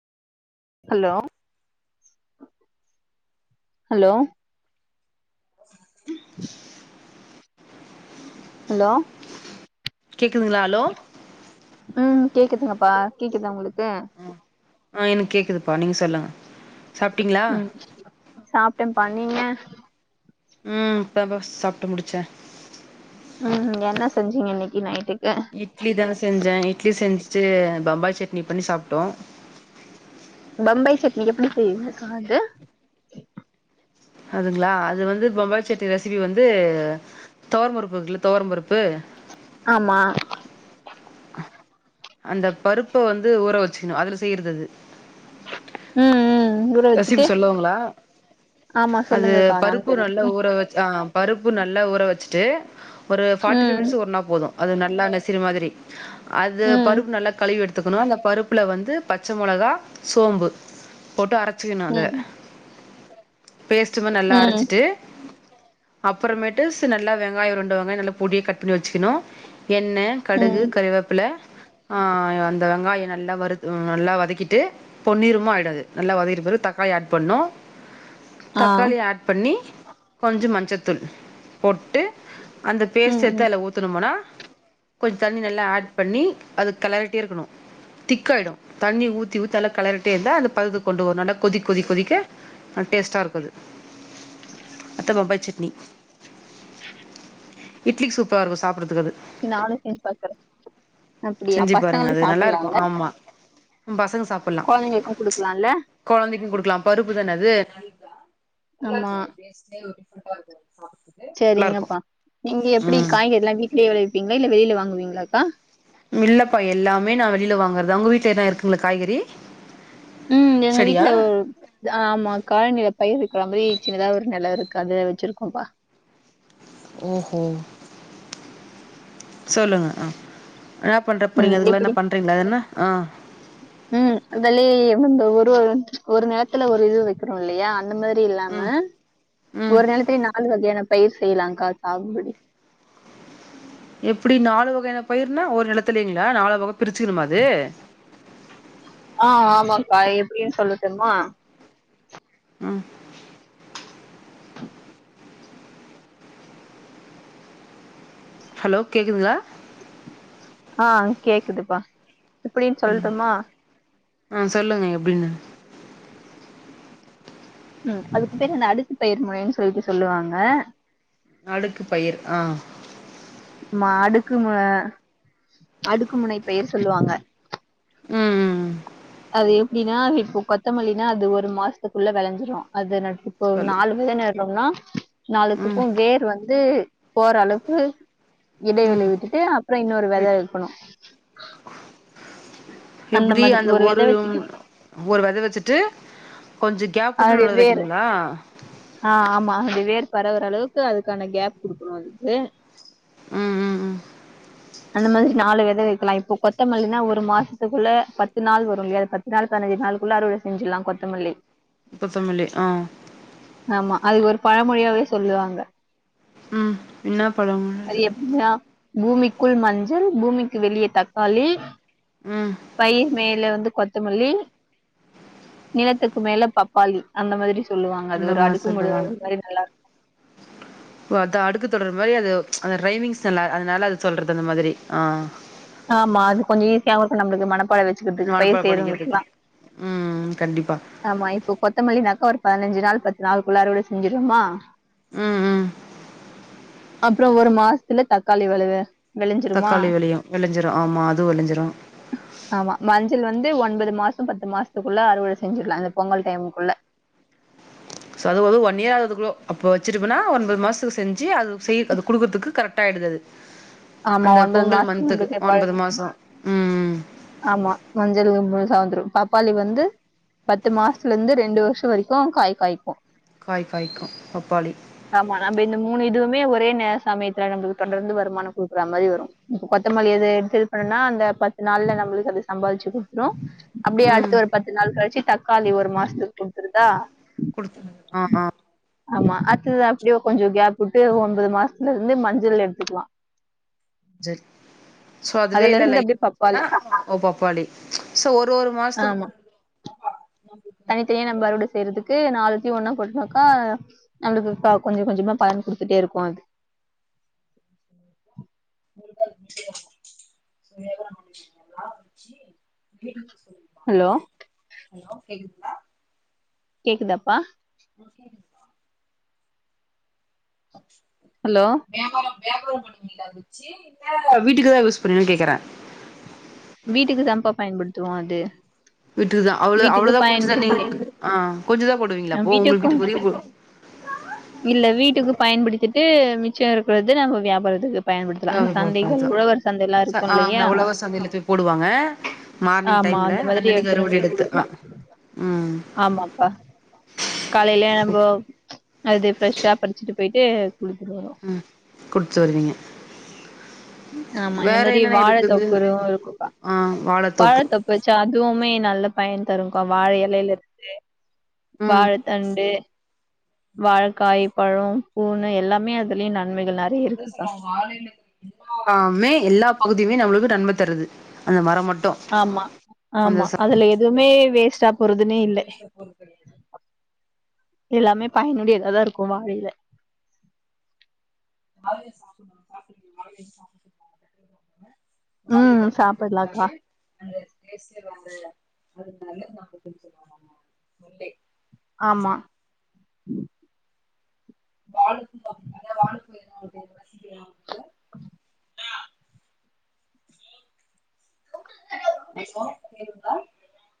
Hello hello hello கேக்குதுங்ளா hello ம் கேக்குதுங்கப்பா கேக்குதா உங்களுக்கு ஆ எனக்கு கேக்குதுப்பா நீங்க சொல்லுங்க சாப்ட்டீங்களா ம் சாப்டேம்ப்பா நீங்க ம் இப்ப தாப்பா சாப்ட்டு முடிச்சே ம் ம் என்ன செஞ்சீங்க இன்னைக்கு நைட்டுக்கு இட்லி தா செஞ்சே இட்லி செஞ்சுட்டு பம்பாய் சட்னி பண்ணி சாப்டோ பம்பாய் சட்னி எப்டி செய்வீங்கக்கா அது அதுங்ளா அது வந்து பம்பாய் சட்னி ரெசிபி வந்து தொவரம் பருப்பு இருக்குல தொவரம் பருப்பு ஆமா அந்த பருப்ப வந்து ஊற வெச்சுக்கணு அதுல செய்யற்து அது ம் ம் ரெசிபி வச்சுட்டு சொல்லுவாங்களா ஆமா அது சொல்லுங்கக்கா நானு பருப்பு நல்ல தெரிஞ்சுக்கிறே ஊற வெச்சு ஆ பருப்பு நல்லா ஊற வெச்சுட்டு ஒரு ஃபார்டி ஃபைவ் ம் மினிட்ஸ் ஊற்னா போது அது நல்லா நெசிரி மாதிரி அது ம் பருப்பு நல்லா கழுவி எடுத் க்கணு அந்த பருப்புல வந்து பச்ச மொளகா சோம்பு போட்டு அரைச் சுக்கணு அத ம் பேஸ்ட்டு மார் நல்லா ம் அரைச்சிட்டு அப்பறமேட்டு சு நல்லா வெங்காய ரெண்டு வெங்காய நல்லா பொடியா கட் பண்ணி வெச்சுக்கணு எண்ணெ கடுகு ம் கறிவேப்பில்ல ஆ அந்த வெங்காய நல்லா வறுத் ம் நல்லா வதக்கிட்டு பொன்னிறமா ஆயிடு அது நல்லா வதக்கிட்ருக் கும் போது தக்காளி ஆட் பண்ணு ஆ தக்காளி ஆட் பண்ணி கொஞ்ச மஞ்சத்தூள் போட்டு அந்த ம் பேஸ்ட்ட எட்த்து ம் அதுல ஊத்துனமுனா கொஞ்ச தண்ணி நல்லா ஆட் பண்ணி அது கெளறிட்டே இருக்கணு திக்காயிடு தண்ணி ஊத்தி ஊத்தி நல்ல கெளறிட்டே இருந்தா அது பதத்துக்கு கொண்டு வரு‌ நல்லா கொதிக் கொதிக் கொதிக்க அ டேஸ்ட்டா இருக்கு அது அதா பம்பாய் சட்னி இட்லிக்கு சூப்பரா இருக்கு சாப்புட்றத்துக்கு அது இனி நானு செஞ்சு பாக்குறே அப்டியா செஞ்சு பாருங்க பசங்களுக்கு அது நல்லா இருக்கு சாப்டலால்ல ஆமா ம் பசங்க சாப் கொழந்தைங்களுக்கு குடுக்கலால்ல கொழந்தைக்கு குடுக்கலா பருப்பு தானே அது நைட்டா ஆமா நல்லாருக்கு அது டேஸ்ட்டே டிஃப்ரெண்டா இருக்கு சரிங்கப்பா நீங்க எப்படி ம் காய்கறி எல்லாம் வீட்லயே விளயவிப்பீங்களா இல்ல வெளியில வாங்குவீங்களாக்கா இல்லப்பா எல்லாமே நான் வெளியில வாங்கறதா உங்க வீட்டுல எதா இருக்குங்களா காய்கறி உம் எங்க செடியா வீட்டு்ல ஒ ஆஹ ஆமா கழினில பயிர் வைக்கிற மாரி சின்னதா ஒரு நிலம் இருக்கு அது வச்சிருக்கோ பா ஓஹோ சொல்லுங்க ஆ என்ன பண்ற போறிங்க ம். அதுக்கெல்ல என்ன எப்படி பண்றீங்களா அது என்ன ஆஹ உம் அதலயே வந்து ஒரு ஒரு நேரத்துல ஒரு இது வைக்கிறோம் இல்லையா அந்த மாதிரி இல்லாம ம் ம் ஒரு நேரலத்துலய நாலு வகையான பயிர் செய்யலாம்கா சாகுபடி எப்டி நாலு வகையான பயிருனா ஒரு நிலத்துலேங்களா நாலு வகை பிரிச்சுக்கிறமா அது ஆஹ ஆமாக்கா எப்படின்னு சொல்லட்டுமா ம் ஹலோ கேட்குதுங்ளா ஆ கேக்குதுப்பா எப்டின்னு சொல்ட்டுமா ஆ சொல்லுங்க எப்டின்னு [inaudible] ம் அதுக்கு பேரு அந்த அடுக்கு பயிர் முனைனு சொல்லிட்டு சொல்லுவாங்க அடுக்கு பயிர் ஆ மா அடுக்கு ம அடுக்குமுனை பயிர் சொல்லுவாங்க ம் ம் அது எப்டின்னா இப்ப கொத்தமல்லினா அது ஒரு மாசத்துக்குள்ள விளஞ்சிரு அது இப்ப சொல்லு நாலு பேர் நடுறோம்னா ம் நாலுத்துக்கு வேர் வந்து போற அளவுக்கு ம் இடைவெளி விட்டுட்டு அப்ற இன்னொரு விதை வெயிட் வைக்கணு எப்டி மாதிரி அந்த வெத ஒரு வச்சுட்டு ஒரு வித வச்சுட்டு கொஞ்சொ கேப் விட்டுட்டு அதனுடைய இன்னொனு வேர் வைக்கணுங்ளா ஆ ஆமா அது வேர் பரவ்ர அளவுக்கு அதுக்கான கேப் கொடுக்கணு அதுக்கு ம் ம் ம் அந்த மாதிரி நாலு வித வைக்கலா இப்போ கொ கொத்தமல்லினா ஒரு மாசத்துக்குள்ள பத்து நாள் வரும் இல்லையா பத்து நாள் பதினஞ்சு நாள்க்குள்ள அறுவடை செஞ்சிட்லாம் கொத்தமல்லி கொத்தமில்லி ஆ ஆமா அதுக்கு ஒரு பழமொழியாவே சொல்லுவாங்க உம் என்ன பழமொழி அது பூமிக்குள் மஞ்சள் பூமிக்கு வெளியே தக்காளி ம் பயிர் மேல வந்து கொத்தமல்லி நிலத்துக் க்கு மேல பப்பாளி அந்த மாதிரி சொல்லுவாங்க அது அந்த ஒரு மாரி அடுக்கு மொழி சொல்லுவாங்க மாதிரி நல்லா இருக்கும் இப்போ அதா அடுக்கு தொடர் மாதிரி அது அந்த ரைமிங்ஸ் நல்லா அதனால அது சொல்றது அந்த மாதிரி ஆ ஆமா அது கொஞ்ச ஈஸியாவு இருக்கு நம்ளுக்கு மனப்பாட வச்சு மனப்பாட பண்ணிக்கிதுக்கு உம் கண்டிப்பா ஆமா இப்போ கொத்தமல்லினாக்கா ஒரு பதினஞ்சு நாள் பத்து நாளுக்குள்ளார அருவட செஞ்சிருவோமா ம் ம் அப்ற ஒரு மாசத்ல தக்காளி வெளவ தக்காளி வெளியு விளைஞ்சிரு ஆமா அது விளைஞ்சிரு ஆமா மஞ்சள் வந்து ஒன்பது மாச பத்து மாசத்துக்குள்ள அறுவடை செஞ்சிடலா இந்த பொங்கல் டைமுக்குள்ள சோ அதுஅது ஒன் இயர் ஆகுது கு அப்ப வச்சுட்டுப்பொனா ஒன்பது மாசத்துக்கு செஞ்சு சி அது செய் அது கொடுக்றதுக்கு கரெக்டா ஆயிடுது அது ஆமா அந்த ஒன்பது பொங்கல் மந்த்துக்கு மாசத்துக் [unintelligible] ஒன்பது மாசோ ம் ஆமா மஞ்சள் வந்து செவந்ரும் பப்பாளி வந்து பத்து மாசத்துலந்து ரெண்டு வருஷ வரைக்கு காய் காய்க்கு காய் காய்க்கு பப்பாளி ஆமா நம்ப இந்த மூணு இதுவுமே ஒரே நே சமயத்துல நம்மள்க்கு தொடர்ந்து வருமானோ குடுக்குற மாரி வரு இப்ப கொத்தமல்லி எது எடுத்து பண்ணுனா அந்த பத்து நாள்ல நம்ம ளுக்கு அது சம்பாதிச்சு குடுத்துரு அப்டியே ம் அடுத்து ஒரு பத் து நாள் கழிச்சு தக்காளி ஒரு மாசத்து குடுத்துறுதா குடுத்துறுது ஆ ஆ ஆமா அத்து அப்டியோ கொஞ்சோ கேப் வுட்டு ஒன்பொது மாசத்துல இருந்து மஞ்சள் எடுத்துக்லா [inaudible] சர் சோ அதுவே இல்ல லை அப்டியே பப்பாளி [inaudible] ஓ பப்பாளி சோ ஒர் ஒரு மாசத்துக் ஆமா தனித்தனியா நம்ம அறுவட செய்றதுக்கு நாலுத்தையு ஒன்னா போட்டுனாக்கா நம்மளுக்கு ப கொஞ்ச கொஞ்சமா பலன் குடுத்துட்டே இருக்கு அது [inaudible] [inaudible] ஹலோ ஹலோ கேக்துங்ளா கேக்குதப்பா ஓகே [unintelligible] [inaudible] ஹலோ வியபாரோ வியபாரோ பண்ணுவீங்ளா அத வெச்சு இல்ல வீட்டுக்குதா யூஸ் பண்ணுவியா கேக்றே வீட்டுக்கு தாப்பா பயன்படுத்துவோ அது வீட்டுக்குதா அவ்ள வீட்டுக்கு அவ்ளோதா கொஞ்சதா நீ பயன்படுத்திட்டே ஆ கொஞ்சதா போடுவீங்ளா அ அப்பொ உங்கள் வீட்டுக்கும் வீட்டுக்கு வெளிய போ இல்ல வீட்டுக்கு பயன்படுத்திட்டு மிச்சோ இருக்றது நம்மோ வியாபாரத்துக்கு பயன்படுத்தலா அந்த [unintelligible] சந்தைகள் அதா உழவர் சந்தைல்லா ச இருக்கு அ அந்த இல்லையா உழவர் சந்தைல போய் போடுவாங்க மார்னிங் ஆமா டைம்ல அந்த மாதிரி அன்னன்னைக்கு எடுத்துன்னு அறுவட போய் எடுத்து அ குடுக்கலா ம் ஆமாப்பா காலைலே நம்போ சூப்பர் அது ஃப்ரெஷ்ஷா பறிச்சுட்டு போயிட்டு குடுத்துடுவோ ம் குடுத்து வருவீங்க ஆமா இந்த வேற மாரி என்னென்ன இருக்குது வாழத்தொப்பு இருக்குக்கா ஆ வாழத்தோப்பு வாழத்தொப் பு வச்சா அதுவுமே நல்ல பயன் தருக்கா வாழ எலைல இருந்து ம் வாழத்தண்டு வாழக்காய் பழோ பூனு எல்லாமே அதுலயு நன்மைகள் நெ அதா சொல்வாங்க வாழ எலே ல்லாமே எல்லா பகுதியுமே நம்மளுக்கு நன்ம தருது அந்த மர மட் ஆமா ஆமா அதுல எதுவுமே வேஸ்ட்டா போறதுன்னே இல்ல எல்லாமே பயனுடியதாதா இருக்கு வாழைல வாழ எலே சாப்புல்லா சாப்ட்ருக்கீங்ளா [inaudible] வாழ எலே ம் போட்டு சாப்பட்லாக்கா சாப்ட்டாலே அந்த டேஸ்ட்டே வந்து ஒரு [inaudible] சொல்வாங் ஆமா வாழை [inaudible] [inaudible] [unintelligible]